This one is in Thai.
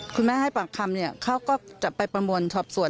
คุณแม่ให้ปักคำเขาก็จะไปประดวนสอบสวน